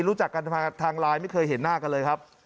รู้จักกันทางไลน์ไม่เคยเห็นหน้ากันเลยครับ